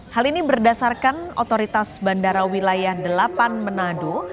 hal ini berdasarkan otoritas bandara wilayah delapan manado